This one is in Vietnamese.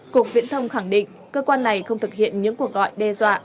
cục viễn thông khẳng định cơ quan này không thực hiện những cuộc gọi đe dọa